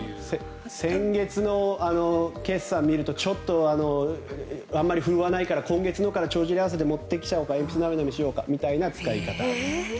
先月の決算を見るとちょっとあまり振るわないから今月のから帳尻合わせで持ってきちゃおうか鉛筆なめなめしようかみたいな使い方。